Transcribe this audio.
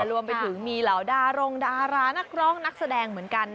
รวมไปถึงมีเหล่าดารงดารานักร้องนักแสดงเหมือนกัน